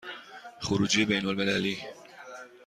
خروجی بین المللی